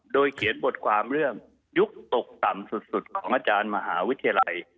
โดยเขียนบทความเรื่องยุคตกต่ำสุดของอาจารย์มหาวิทยาลัย